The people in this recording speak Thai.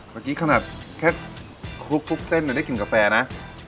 เมื่อกี้ขนาดแค่คลุกเส้นเจ็ดเดี๋ยวได้กลิ่นกาแฟนะ